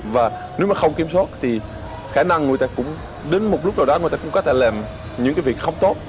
và nếu mà không kiểm soát thì khả năng người ta cũng đến một lúc nào đó người ta cũng có thể làm những cái việc không tốt